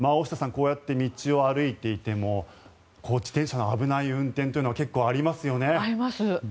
こうやって道を歩いていても自転車の危ない運転というのは結構ありますよね。あります。